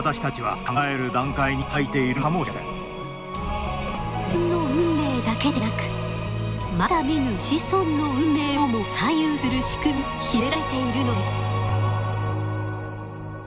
あなたの体には自分の運命だけでなくまだ見ぬ子孫の運命をも左右する仕組みが秘められているのです。